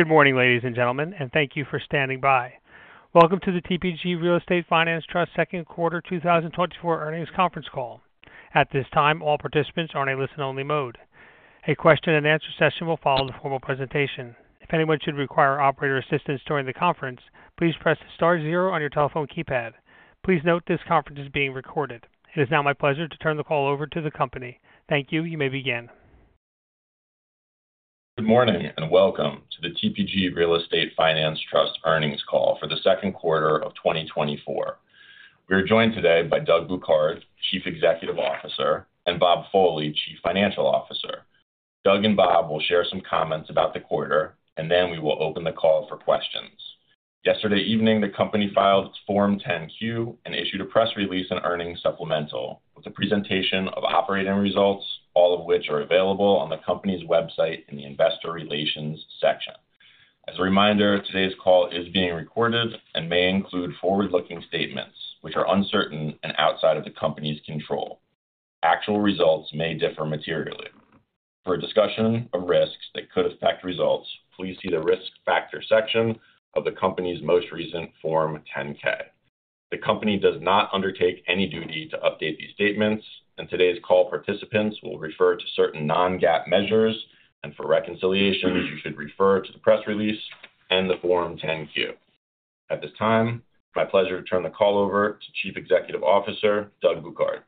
Good morning, ladies and gentlemen, and thank you for standing by. Welcome to the TPG Real Estate Finance Trust Second Quarter 2024 Earnings Conference Call. At this time, all participants are in a listen-only mode. A question-and-answer session will follow the formal presentation. If anyone should require operator assistance during the conference, please press star zero on your telephone keypad. Please note, this conference is being recorded. It is now my pleasure to turn the call over to the company. Thank you. You may begin. Good morning, and welcome to the TPG Real Estate Finance Trust earnings call for the second quarter of 2024. We are joined today by Doug Bouquard, Chief Executive Officer, and Bob Foley, Chief Financial Officer. Doug and Bob will share some comments about the quarter, and then we will open the call for questions. Yesterday evening, the company filed its Form 10-Q and issued a press release and earnings supplemental with a presentation of operating results, all of which are available on the company's website in the Investor Relations section. As a reminder, today's call is being recorded and may include forward-looking statements which are uncertain and outside of the company's control. Actual results may differ materially. For a discussion of risks that could affect results, please see the Risk Factors section of the company's most recent Form 10-K. The company does not undertake any duty to update these statements, and today's call participants will refer to certain non-GAAP measures, and for reconciliations, you should refer to the press release and the Form 10-Q. At this time, it's my pleasure to turn the call over to Chief Executive Officer, Doug Bouquard.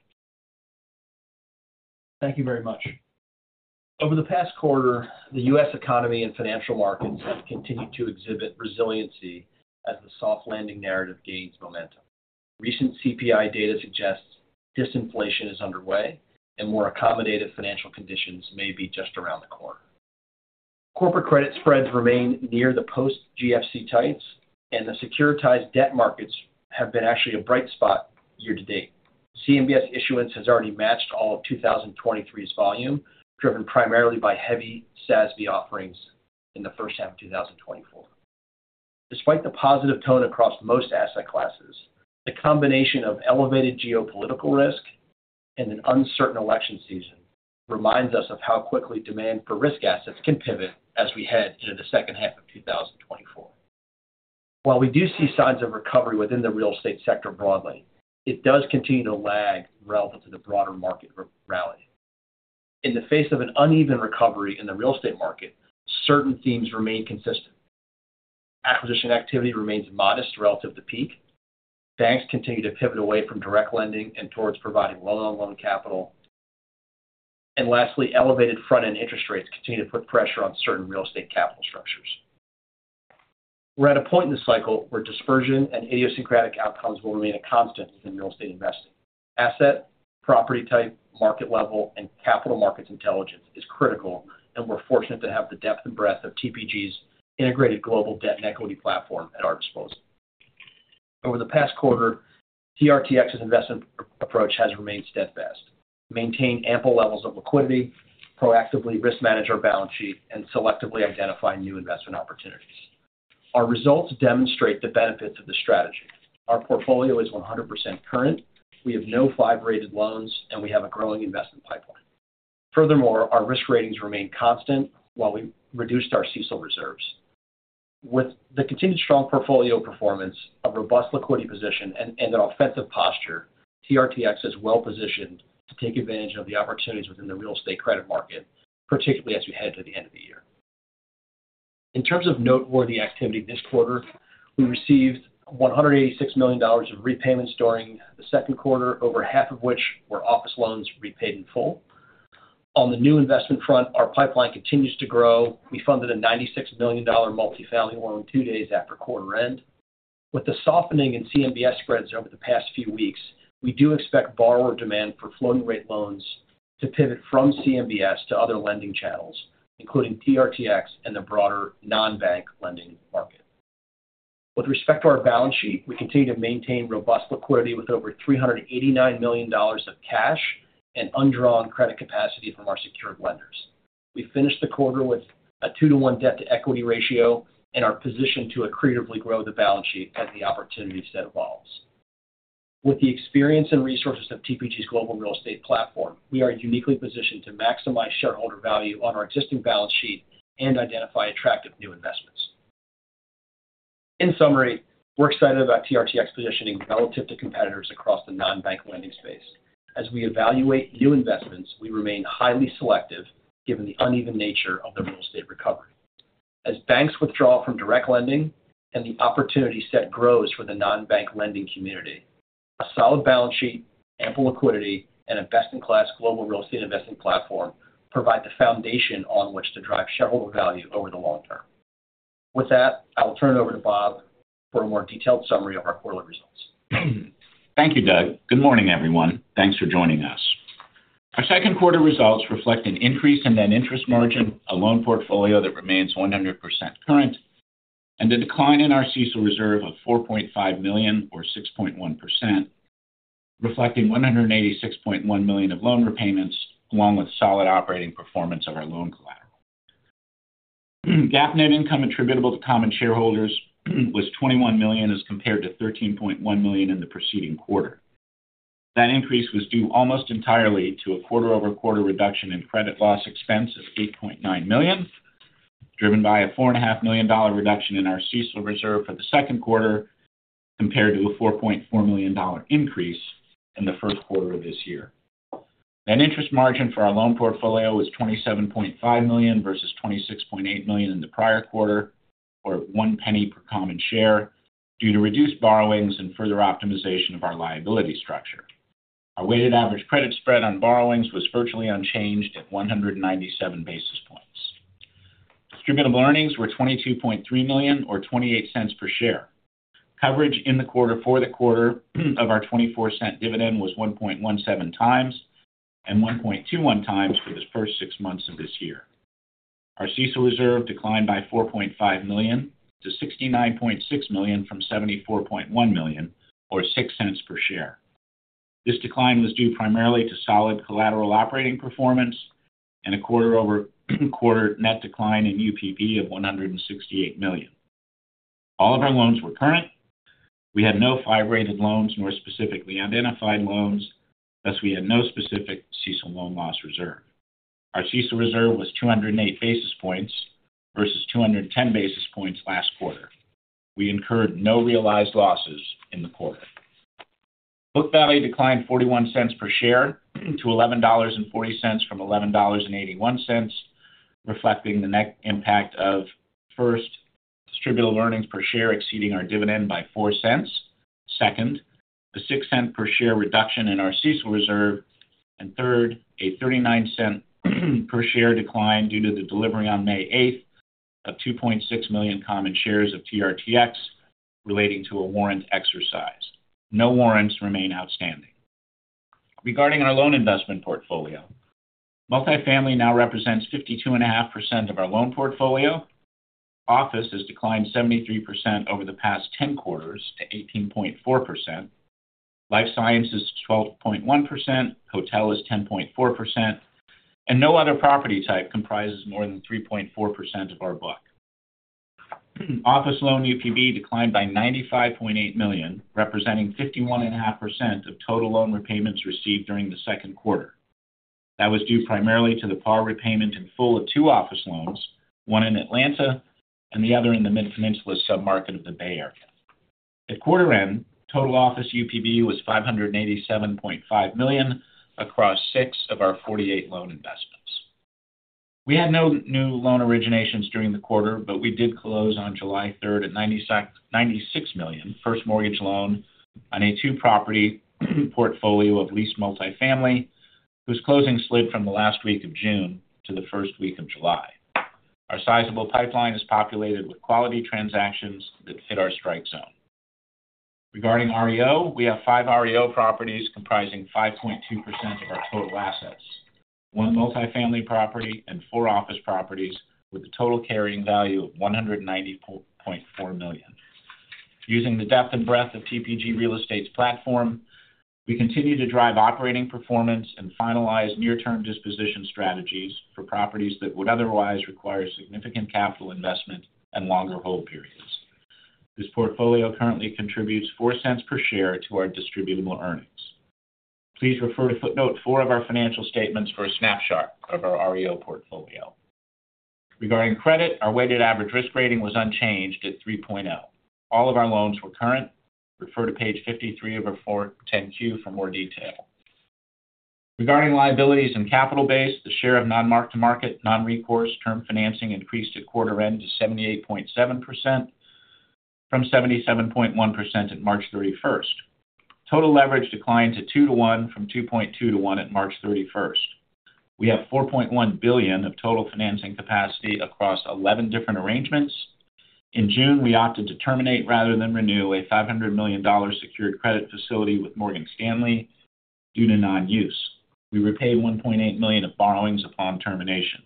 Thank you very much. Over the past quarter, the U.S. economy and financial markets have continued to exhibit resiliency as the soft landing narrative gains momentum. Recent CPI data suggests disinflation is underway and more accommodative financial conditions may be just around the corner. Corporate credit spreads remain near the post-GFC tights, and the securitized debt markets have been actually a bright spot year to date. CMBS issuance has already matched all of 2023's volume, driven primarily by heavy SASB offerings in the first half of 2024. Despite the positive tone across most asset classes, the combination of elevated geopolitical risk and an uncertain election season reminds us of how quickly demand for risk assets can pivot as we head into the second half of 2024. While we do see signs of recovery within the real estate sector broadly, it does continue to lag relative to the broader market rally. In the face of an uneven recovery in the real estate market, certain themes remain consistent. Acquisition activity remains modest relative to peak. Banks continue to pivot away from direct lending and towards providing well-known loan capital. And lastly, elevated front-end interest rates continue to put pressure on certain real estate capital structures. We're at a point in the cycle where dispersion and idiosyncratic outcomes will remain a constant in real estate investing. Asset, property type, market level, and capital markets intelligence is critical, and we're fortunate to have the depth and breadth of TPG's integrated global debt and equity platform at our disposal. Over the past quarter, TRTX's investment approach has remained steadfast, maintained ample levels of liquidity, proactively risk manage our balance sheet, and selectively identify new investment opportunities. Our results demonstrate the benefits of this strategy. Our portfolio is 100% current, we have no five-rated loans, and we have a growing investment pipeline. Furthermore, our risk ratings remain constant, while we reduced our CECL reserves. With the continued strong portfolio performance, a robust liquidity position and an offensive posture, TRTX is well positioned to take advantage of the opportunities within the real estate credit market, particularly as we head to the end of the year. In terms of noteworthy activity this quarter, we received $186 million of repayments during the second quarter, over half of which were office loans repaid in full. On the new investment front, our pipeline continues to grow. We funded a $96 million multifamily loan two days after quarter end. With the softening in CMBS spreads over the past few weeks, we do expect borrower demand for floating rate loans to pivot from CMBS to other lending channels, including TRTX and the broader non-bank lending market. With respect to our balance sheet, we continue to maintain robust liquidity with over $389 million of cash and undrawn credit capacity from our secured lenders. We finished the quarter with a two to one debt-to-equity ratio and are positioned to accretively grow the balance sheet as the opportunity set evolves. With the experience and resources of TPG's global real estate platform, we are uniquely positioned to maximize shareholder value on our existing balance sheet and identify attractive new investments. In summary, we're excited about TRTX's positioning relative to competitors across the non-bank lending space. As we evaluate new investments, we remain highly selective, given the uneven nature of the real estate recovery. As banks withdraw from direct lending and the opportunity set grows for the non-bank lending community, a solid balance sheet, ample liquidity, and a best-in-class global real estate investing platform provide the foundation on which to drive shareholder value over the long term. With that, I will turn it over to Bob for a more detailed summary of our quarterly results. Thank you, Doug. Good morning, everyone. Thanks for joining us. Our second quarter results reflect an increase in net interest margin, a loan portfolio that remains 100% current, and a decline in our CECL reserve of $4.5 million, or 6.1%, reflecting $186.1 million of loan repayments, along with solid operating performance of our loan collateral. GAAP net income attributable to common shareholders was $21 million, as compared to $13.1 million in the preceding quarter. That increase was due almost entirely to a quarter-over-quarter reduction in credit loss expense of $8.9 million, driven by a $4.5 million reduction in our CECL reserve for the second quarter, compared to a $4.4 million increase in the first quarter of this year. Net interest margin for our loan portfolio was $27.5 million versus $26.8 million in the prior quarter, or $0.01 per common share, due to reduced borrowings and further optimization of our liability structure. Our weighted average credit spread on borrowings was virtually unchanged at 197 basis points. Distributable earnings were $22.3 million, or $0.28 per share. Coverage in the quarter for the quarter of our $0.24 dividend was 1.17 times, and 1.21 times for the first six months of this year. Our CECL reserve declined by $4.5 million to $69.6 million from $74.1 million, or $0.6 per share. This decline was due primarily to solid collateral operating performance and a quarter-over-quarter net decline in UPB of $168 million. All of our loans were current. We had no five-rated loans, nor specifically identified loans, thus we had no specific CECL loan loss reserve. Our CECL reserve was 208 basis points versus 210 basis points last quarter. We incurred no realized losses in the quarter. Book value declined $0.41 per share to $11.40 from $11.81, reflecting the net impact of, first, distributable earnings per share exceeding our dividend by $0.04. Second, the $0.06 per share reduction in our CECL reserve. And third, a $0.39 per share decline due to the delivery on May 8 of 2.6 million common shares of TRTX relating to a warrant exercise. No warrants remain outstanding. Regarding our loan investment portfolio, multifamily now represents 52.5% of our loan portfolio. Office has declined 73% over the past 10 quarters to 18.4%. Life science is 12.1%, hotel is 10.4%, and no other property type comprises more than 3.4% of our book. Office loan UPB declined by $95.8 million, representing 51.5% of total loan repayments received during the second quarter. That was due primarily to the par repayment in full of two office loans, one in Atlanta and the other in the Mid-Peninsula submarket of the Bay Area. At quarter end, total office UPB was $587.5 million across six of our 48 loan investments. We had no new loan originations during the quarter, but we did close on July 3rd at $96 million first mortgage loan on a two-property portfolio of leased multifamily, whose closing slid from the last week of June to the first week of July. Our sizable pipeline is populated with quality transactions that hit our strike zone. Regarding REO, we have five REO properties comprising 5.2% of our total assets, one multifamily property and four office properties, with a total carrying value of $190.4 million. Using the depth and breadth of TPG Real Estate's platform, we continue to drive operating performance and finalize near-term disposition strategies for properties that would otherwise require significant capital investment and longer hold periods. This portfolio currently contributes $0.04 per share to our distributable earnings. Please refer to footnote four of our financial statements for a snapshot of our REO portfolio. Regarding credit, our weighted average risk rating was unchanged at 3.0. All of our loans were current. Refer to page 53 of our 10-Q for more detail. Regarding liabilities and capital base, the share of non-mark-to-market, non-recourse term financing increased at quarter end to 78.7%, from 77.1% at March 31st. Total leverage declined to 2-to-1 from 2.2-to-1 at March 31st. We have $4.1 billion of total financing capacity across 11 different arrangements. In June, we opted to terminate rather than renew a $500 million secured credit facility with Morgan Stanley due to non-use. We repaid $1.8 million of borrowings upon termination.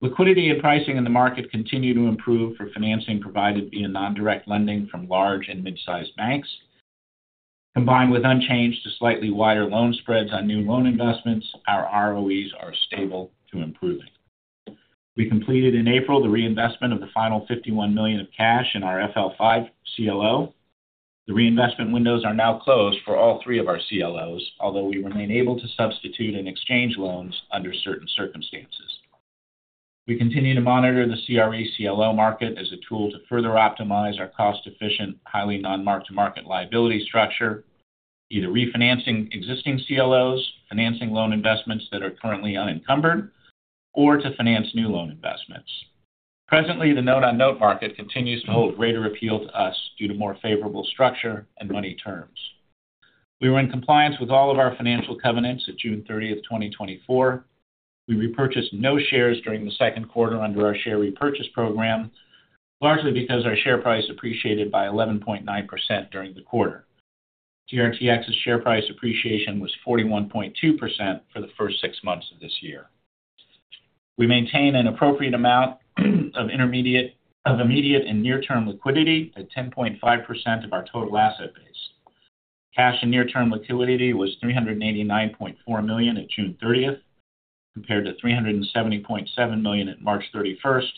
Liquidity and pricing in the market continue to improve for financing provided via non-direct lending from large and mid-sized banks. Combined with unchanged to slightly wider loan spreads on new loan investments, our ROEs are stable to improving. We completed in April the reinvestment of the final $51 million of cash in our FL5 CLO. The reinvestment windows are now closed for all three of our CLOs, although we remain able to substitute and exchange loans under certain circumstances. We continue to monitor the CRE CLO market as a tool to further optimize our cost-efficient, highly non-mark-to-market liability structure, either refinancing existing CLOs, financing loan investments that are currently unencumbered, or to finance new loan investments. Presently, the note-on-note market continues to hold greater appeal to us due to more favorable structure and money terms. We were in compliance with all of our financial covenants at June 30th, 2024. We repurchased no shares during the second quarter under our share repurchase program, largely because our share price appreciated by 11.9% during the quarter. TRTX's share price appreciation was 41.2% for the first six months of this year. We maintain an appropriate amount of immediate and near-term liquidity at 10.5% of our total asset base. Cash and near-term liquidity was $389.4 million at June 30th, compared to $370.7 million at March 31st.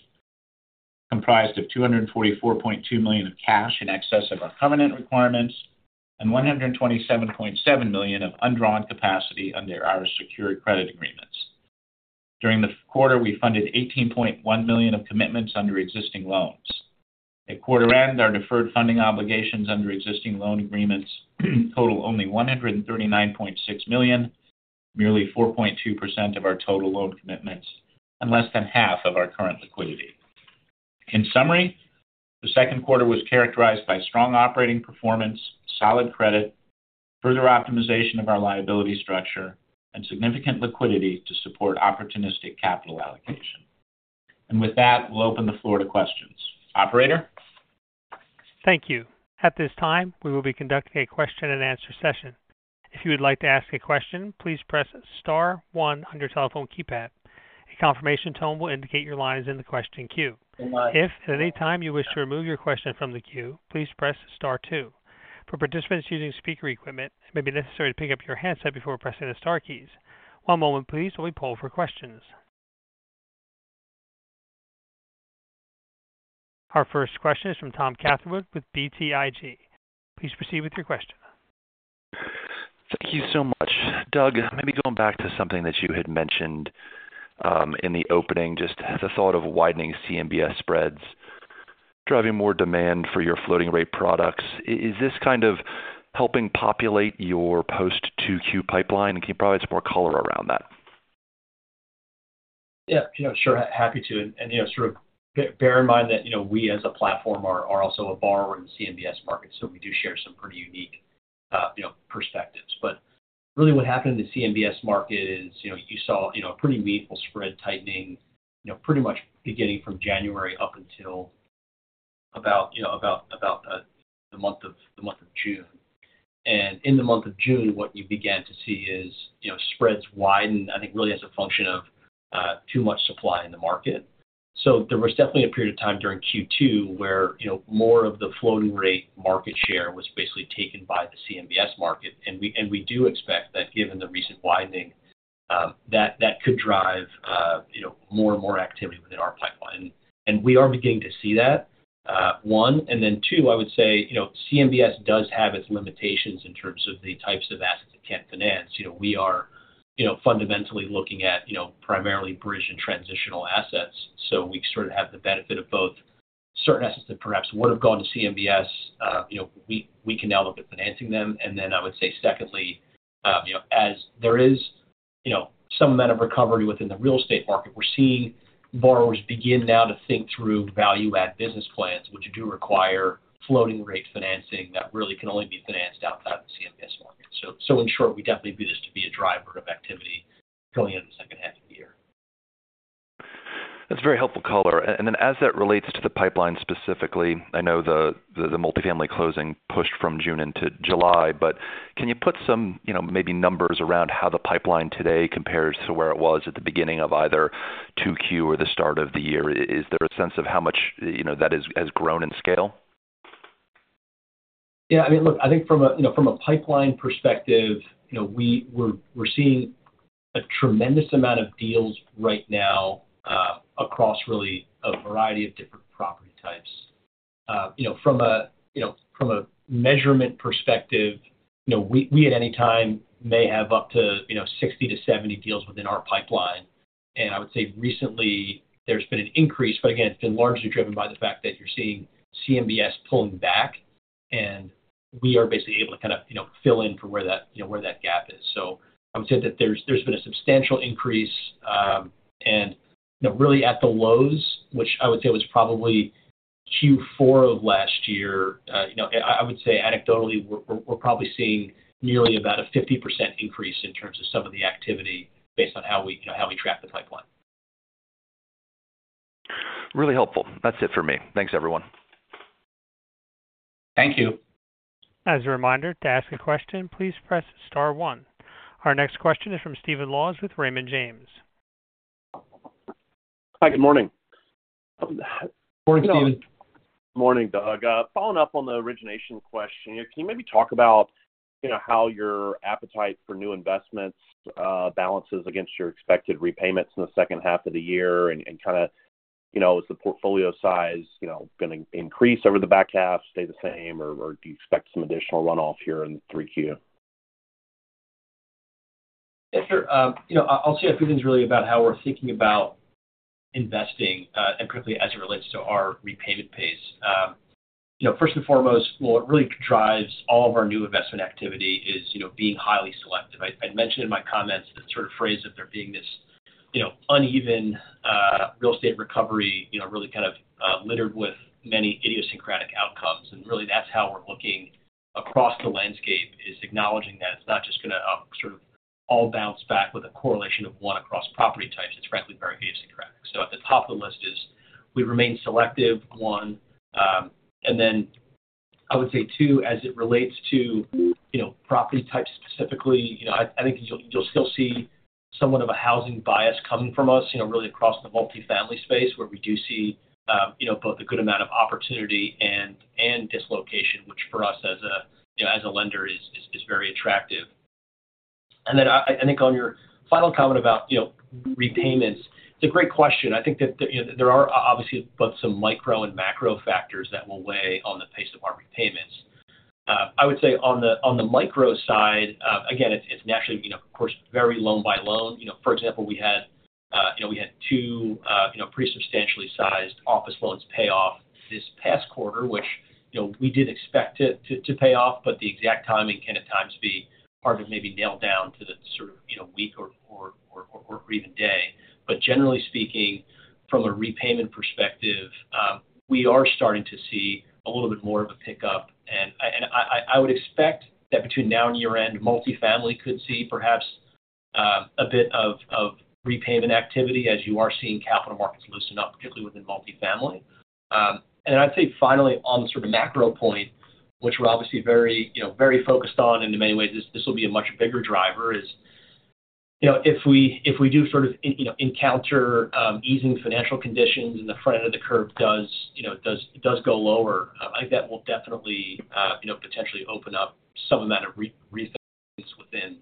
Comprised of $244.2 million of cash in excess of our covenant requirements and $127.7 million of undrawn capacity under our secured credit agreements. During the quarter, we funded $18.1 million of commitments under existing loans. At quarter end, our deferred funding obligations under existing loan agreements total only $139.6 million, merely 4.2% of our total loan commitments and less than half of our current liquidity. In summary, the second quarter was characterized by strong operating performance, solid credit, further optimization of our liability structure, and significant liquidity to support opportunistic capital allocation. And with that, we'll open the floor to questions. Operator? Thank you. At this time, we will be conducting a question-and-answer session. If you would like to ask a question, please press star one on your telephone keypad. A confirmation tone will indicate your line is in the question queue. If at any time you wish to remove your question from the queue, please press star two. For participants using speaker equipment, it may be necessary to pick up your handset before pressing the star keys. One moment please, while we poll for questions. Our first question is from Tom Catherwood with BTIG. Please proceed with your question. Thank you so much. Doug, maybe going back to something that you had mentioned in the opening, just the thought of widening CMBS spreads, driving more demand for your floating rate products. Is this kind of helping populate your post-2Q pipeline? And can you provide some more color around that? Yeah, you know, sure, happy to. And, you know, sort of bear in mind that, you know, we as a platform are also a borrower in the CMBS market, so we do share some pretty unique, you know, perspectives. But really what happened in the CMBS market is, you know, you saw, you know, a pretty meaningful spread tightening, you know, pretty much beginning from January up until about, you know, about the month of June. And in the month of June, what you began to see is, you know, spreads widen, I think really as a function of too much supply in the market. So there was definitely a period of time during Q2 where, you know, more of the floating rate market share was basically taken by the CMBS market. And we do expect that given the recent widening, that could drive, you know, more and more activity within our pipeline. And we are beginning to see that, one. And then two, I would say, you know, CMBS does have its limitations in terms of the types of assets it can't finance. You know, we are, you know, fundamentally looking at, you know, primarily bridge and transitional assets. So we sort of have the benefit of both certain assets that perhaps would have gone to CMBS, you know, we can now look at financing them. And then I would say, secondly, you know, as there is, you know, some amount of recovery within the real estate market, we're seeing borrowers begin now to think through value add business plans, which do require floating rate financing that really can only be financed outside of the CMBS market. So, so in short, we definitely view this to be a driver of activity going into the second half of the year. That's a very helpful color. And then as that relates to the pipeline specifically, I know the multifamily closing pushed from June into July, but can you put some, you know, maybe numbers around how the pipeline today compares to where it was at the beginning of either 2Q or the start of the year? Is there a sense of how much, you know, that has grown in scale? Yeah, I mean, look, I think from a, you know, from a pipeline perspective, you know, we're seeing a tremendous amount of deals right now across really a variety of different property types. You know, from a, you know, from a measurement perspective, you know, we at any time may have up to, you know, 60 to 70 deals within our pipeline. And I would say recently, there's been an increase, but again, it's been largely driven by the fact that you're seeing CMBS pulling back, and we are basically able to kind of, you know, fill in for where that, you know, where that gap is. So I would say that there's been a substantial increase, and, you know, really at the lows, which I would say was probably Q4 of last year. You know, I would say anecdotally, we're probably seeing nearly about a 50% increase in terms of some of the activity based on how we, you know, how we track the pipeline. Really helpful. That's it for me. Thanks, everyone. Thank you. As a reminder, to ask a question, please press star one. Our next question is from Stephen Laws with Raymond James. Hi, good morning. Good morning, Steve. Morning, Doug. Following up on the origination question, can you maybe talk about, you know, how your appetite for new investments balances against your expected repayments in the second half of the year? And kind of, you know, is the portfolio size, you know, gonna increase over the back half, stay the same, or do you expect some additional runoff here in 3Q? Yes, sure. You know, I'll say a few things really about how we're thinking about investing, and quickly as it relates to our repayment pace. You know, first and foremost, what really drives all of our new investment activity is, you know, being highly selective. I, I mentioned in my comments the sort of phrase of there being this, you know, uneven real estate recovery, you know, really kind of littered with many idiosyncratic outcomes. And really that's how we're looking across the landscape, is acknowledging that it's not just gonna sort of all bounce back with a correlation of one across property types. It's frankly very idiosyncratic. So at the top of the list is we remain selective, one. And then I would say, too, as it relates to, you know, property types specifically, you know, I think you'll still see somewhat of a housing bias coming from us, you know, really across the multifamily space, where we do see, you know, both a good amount of opportunity and dislocation, which for us as a, you know, as a lender, is very attractive. And then I think on your final comment about, you know, repayments, it's a great question. I think that, you know, there are obviously both some micro and macro factors that will weigh on the pace of our repayments. I would say on the micro side, again, it's naturally, you know, of course, very loan by loan. You know, for example, we had, you know, we had two, you know, pretty substantially sized office loans pay off this past quarter, which, you know, we did expect it to, to pay off, but the exact timing can at times be hard to maybe nail down to the sort of, you know, week or, or even day. But generally speaking, from a repayment perspective, we are starting to see a little bit more of a pickup. And I would expect that between now and year-end, multifamily could see perhaps, a bit of repayment activity as you are seeing capital markets loosen up, particularly within multifamily. And I'd say finally, on the sort of macro point, which we're obviously very, you know, very focused on, and in many ways, this, this will be a much bigger driver, is, you know, if we, if we do sort of encounter easing financial conditions and the front end of the curve does, you know, go lower, I think that will definitely, you know, potentially open up some amount of refinance within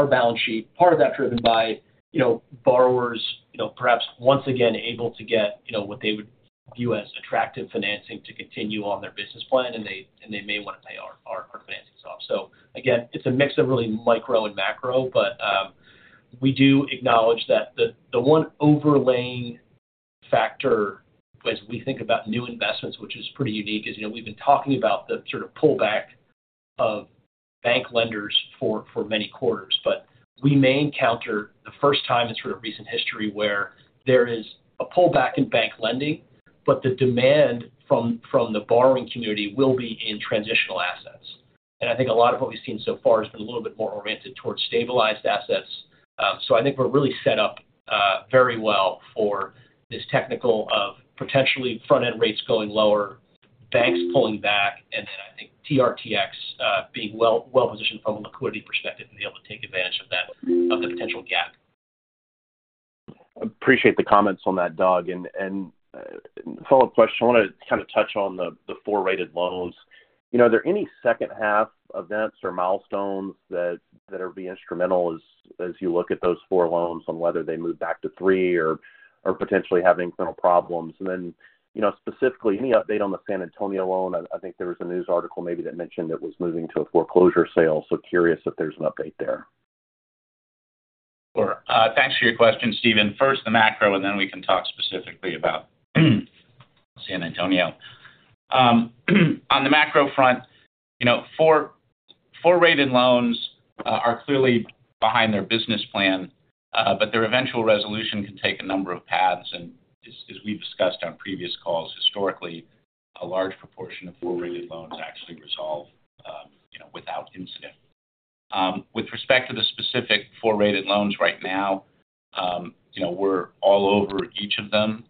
our balance sheet. Part of that driven by, you know, borrowers, you know, perhaps once again, able to get, you know, what they would view as attractive financing to continue on their business plan, and they may want to pay our financings off. So again, it's a mix of really micro and macro, but, we do acknowledge that the, the one overlying factor as we think about new investments, which is pretty unique, is, you know, we've been talking about the sort of pullback of bank lenders for, for many quarters. But we may encounter the first time in sort of recent history where there is a pullback in bank lending, but the demand from, from the borrowing community will be in transitional assets. And I think a lot of what we've seen so far has been a little bit more oriented towards stabilized assets. So I think we're really set up very well for this technicality of potentially front-end rates going lower, banks pulling back, and then I think TRTX being well-positioned from a liquidity perspective to be able to take advantage of that, of the potential gap. Appreciate the comments on that, Doug. And, follow-up question, I wanna kind of touch on the four rated loans. You know, are there any second half events or milestones that would be instrumental as you look at those four loans on whether they move back to three or potentially have internal problems? And then, you know, specifically, any update on the San Antonio loan? I think there was a news article maybe that mentioned it was moving to a foreclosure sale, so curious if there's an update there. Sure. Thanks for your question, Steve. First, the macro, and then we can talk specifically about San Antonio. On the macro front, you know, 4-rated loans are clearly behind their business plan, but their eventual resolution can take a number of paths, and as we've discussed on previous calls, historically, a large proportion of 4-rated loans actually resolve, you know, without incident. With respect to the specific 4-rated loans right now, you know, we're all over each of them.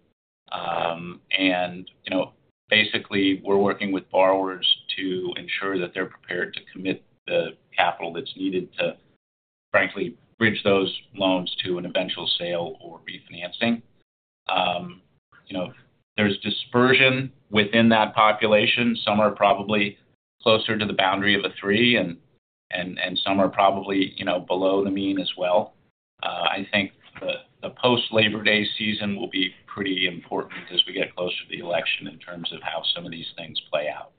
And, you know, basically, we're working with borrowers to ensure that they're prepared to commit the capital that's needed to, frankly, bridge those loans to an eventual sale or refinancing. You know, there's dispersion within that population. Some are probably closer to the boundary of a three, and some are probably, you know, below the mean as well. I think the post-Labor Day season will be pretty important as we get closer to the election in terms of how some of these things play out.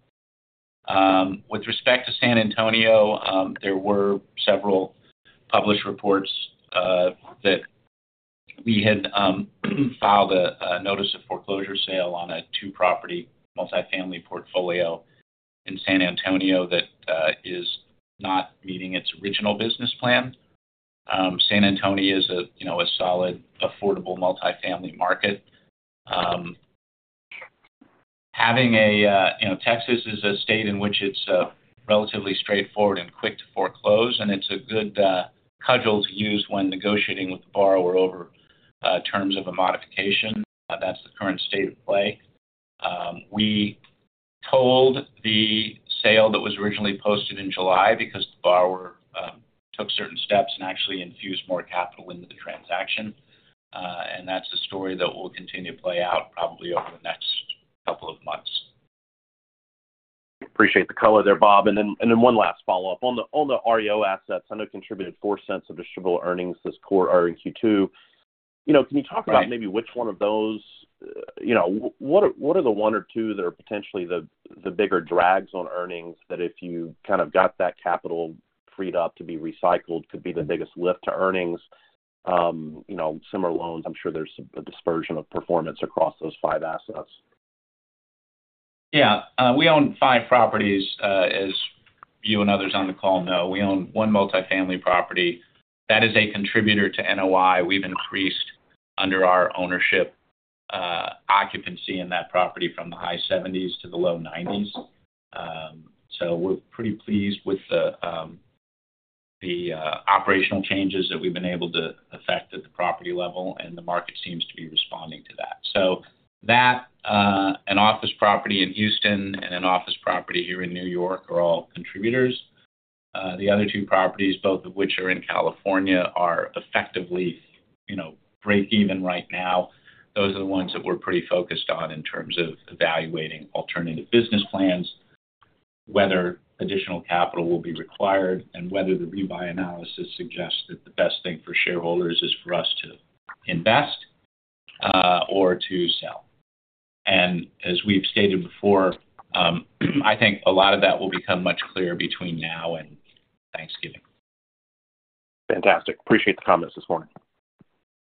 With respect to San Antonio, there were several published reports that we had filed a notice of foreclosure sale on a two-property multifamily portfolio in San Antonio that is not meeting its original business plan. San Antonio is a, you know, a solid, affordable multifamily market. Having a... You know, Texas is a state in which it's relatively straightforward and quick to foreclose, and it's a good cudgel to use when negotiating with the borrower over terms of a modification. That's the current state of play. We tolled the sale that was originally posted in July because the borrower took certain steps and actually infused more capital into the transaction. And that's a story that will continue to play out probably over the next couple of months. Appreciate the color there, Bob. And then one last follow-up. On the REO assets, I know it contributed $0.04 of Distributable Earnings this quarter or in Q2. You know, can you talk about- Right... maybe which one of those, you know, what are, what are the one or two that are potentially the, the bigger drags on earnings, that if you kind of got that capital freed up to be recycled, could be the biggest lift to earnings? You know, similar loans, I'm sure there's a dispersion of performance across those five assets. Yeah. We own five properties, as you and others on the call know. We own one multifamily property. That is a contributor to NOI. We've increased under our ownership, occupancy in that property from the high seventies to the low nineties. So we're pretty pleased with the operational changes that we've been able to effect at the property level, and the market seems to be responding to that. So that, an office property in Houston and an office property here in New York are all contributors. The other two properties, both of which are in California, are effectively, you know, break even right now, those are the ones that we're pretty focused on in terms of evaluating alternative business plans, whether additional capital will be required, and whether the rebuy analysis suggests that the best thing for shareholders is for us to invest, or to sell. And as we've stated before, I think a lot of that will become much clearer between now and Thanksgiving. Fantastic. Appreciate the comments this morning.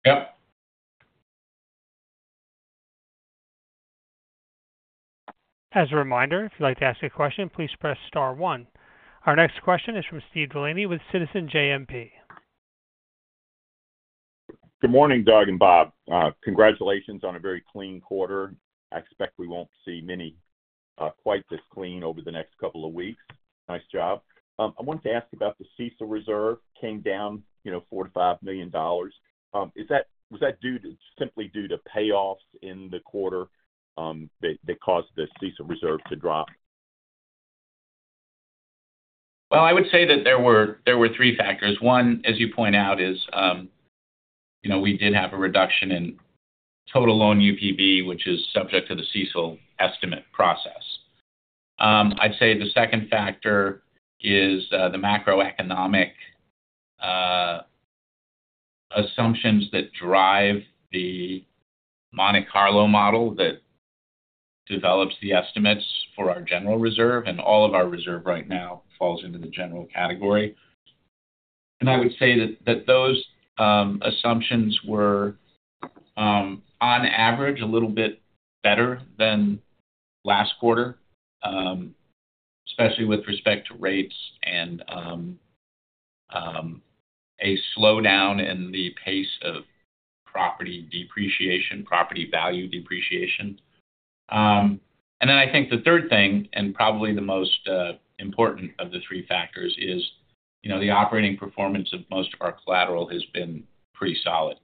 Yep. As a reminder, if you'd like to ask a question, please press star one. Our next question is from Steve DeLaney with Citizens JMP. Good morning, Doug and Bob. Congratulations on a very clean quarter. I expect we won't see many quite this clean over the next couple of weeks. Nice job. I wanted to ask about the CECL reserve, came down, you know, $4 million-$5 million. Is that—was that due to—simply due to payoffs in the quarter, that caused the CECL reserve to drop? Well, I would say that there were three factors. One, as you point out, is, you know, we did have a reduction in total loan UPB, which is subject to the CECL estimate process. I'd say the second factor is the macroeconomic assumptions that drive the Monte Carlo model that develops the estimates for our general reserve, and all of our reserve right now falls into the general category. And I would say that those assumptions were, on average, a little bit better than last quarter, especially with respect to rates and a slowdown in the pace of property depreciation, property value depreciation. And then I think the third thing, and probably the most important of the three factors is, you know, the operating performance of most of our collateral has been pretty solid.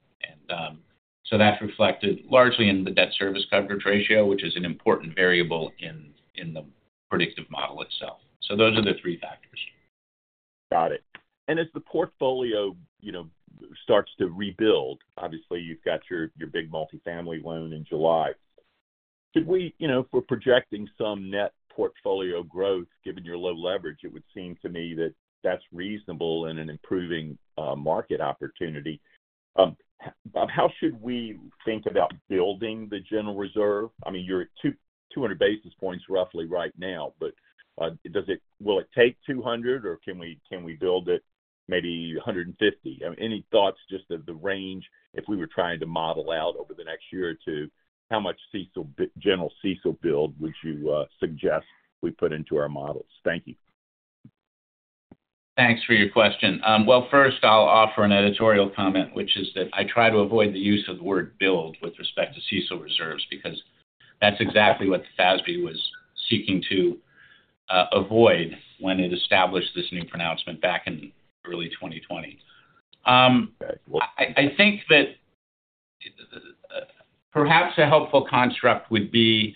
So that's reflected largely in the debt service coverage ratio, which is an important variable in the predictive model itself. Those are the three factors. Got it. And as the portfolio, you know, starts to rebuild, obviously, you've got your big multifamily loan in July. Could we... You know, if we're projecting some net portfolio growth, given your low leverage, it would seem to me that that's reasonable and an improving market opportunity. How should we think about building the general reserve? I mean, you're at 200 basis points roughly right now, but does it, will it take 200, or can we, can we build it maybe 150? Any thoughts, just of the range, if we were trying to model out over the next year or two, how much CECL, general CECL build would you suggest we put into our models? Thank you. Thanks for your question. Well, first I'll offer an editorial comment, which is that I try to avoid the use of the word build with respect to CECL reserves, because that's exactly what the FASB was seeking to avoid when it established this new pronouncement back in early 2020. I think that perhaps a helpful construct would be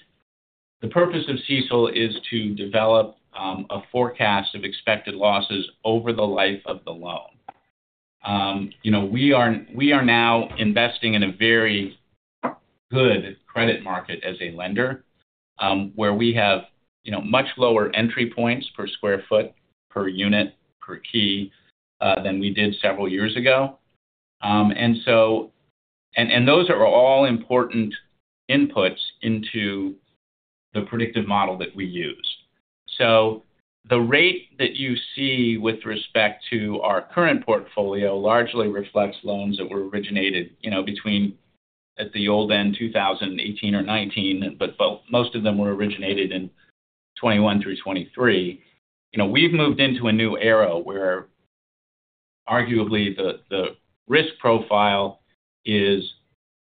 the purpose of CECL is to develop a forecast of expected losses over the life of the loan. You know, we are now investing in a very good credit market as a lender, where we have, you know, much lower entry points per square foot, per unit, per key than we did several years ago. And so those are all important inputs into the predictive model that we use. So the rate that you see with respect to our current portfolio largely reflects loans that were originated, you know, between, at the old end, 2018 or 2019, but, well, most of them were originated in 2021 through 2023. You know, we've moved into a new era where arguably the risk profile is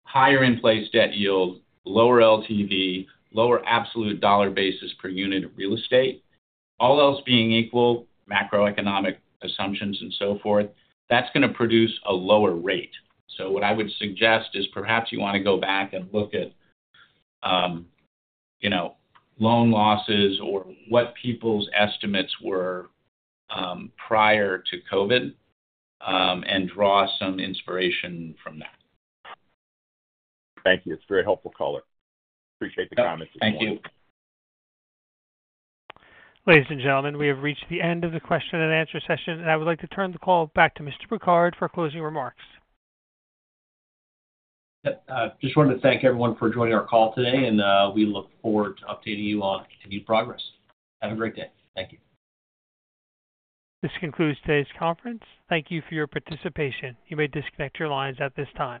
higher in place debt yield, lower LTV, lower absolute dollar basis per unit of real estate. All else being equal, macroeconomic assumptions and so forth, that's going to produce a lower rate. So what I would suggest is perhaps you want to go back and look at, you know, loan losses or what people's estimates were, prior to COVID, and draw some inspiration from that. Thank you. It's a very helpful call. Appreciate the comments. Thank you. Ladies and gentlemen, we have reached the end of the question and answer session, and I would like to turn the call back to Mr. Bouquard for closing remarks. Yep. I just wanted to thank everyone for joining our call today, and we look forward to updating you on continued progress. Have a great day. Thank you. This concludes today's conference. Thank you for your participation. You may disconnect your lines at this time.